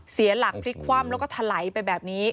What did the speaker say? เสียหลักพลิกคว่ำแล้วก็ถลายไปแบบนี้